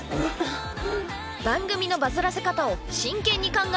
番組のバズらせ方を真剣に考えます